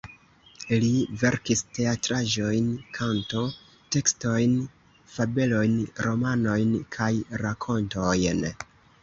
Li verkis teatraĵojn, kanto-tekstojn, fabelojn, romanojn, kaj rakontojn.